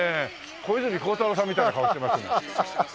小泉孝太郎さんみたいな顔してますね。